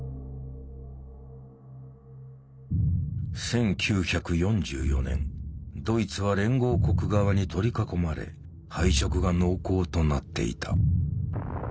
１９４４年ドイツは連合国側に取り囲まれ敗色が濃厚となっていた。